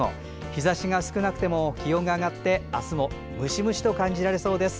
日ざしが少なくても気温が上がりムシムシと感じられそうです。